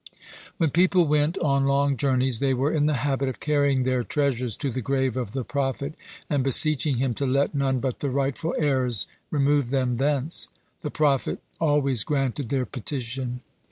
When people went on long journeys, they were in the habit of carrying their treasures to the grave of the prophet, and beseeching him to let none but the rightful heirs remove them thence. The prophet always granted their petition.